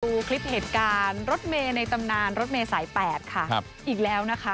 ดูคลิปเหตุการณ์รถเมย์ในตำนานรถเมย์สายแปดค่ะครับอีกแล้วนะคะ